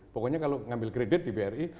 pokoknya kalau ngambil kredit di bri